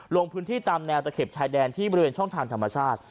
ลงพื้นที่ตามแนวตะเข็บชายแดนที่บริเวณช่องทางธรรมชาติ